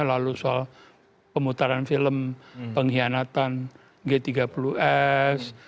lalu soal pemutaran film pengkhianatan g tiga puluh s